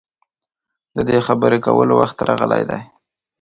د دې خبرې کولو وخت راغلی دی.